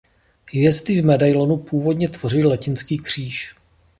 Hvězdy v medailonu původně tvořily latinský kříž.